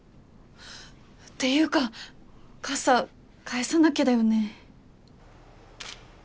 っていうか傘返さなきゃだよね